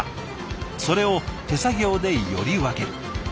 それを手作業でより分ける。